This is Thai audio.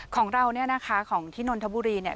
ของเราเนี่ยนะคะของที่นนทบุรีเนี่ย